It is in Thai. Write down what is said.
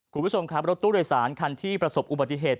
คุณผู้ชมครับรถตู้โดยสารคันที่ประสบอุบัติเหตุ